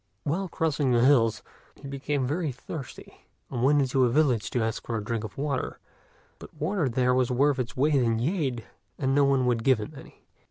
While crossing the hills, he became very thirsty, and went into a village to ask for a drink of water; but water there was worth its weight in jade, and no one would give him any.